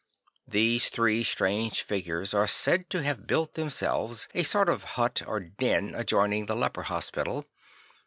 These three strange figures are said to have built themselves a sort of hut or den adjoining the leper hospital.